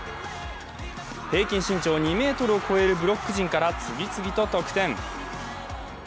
平均身長２ｍを超えるブロック陣から次々と得点。